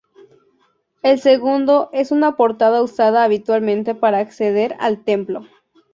El segundo es una portada usada habitualmente para acceder al templo.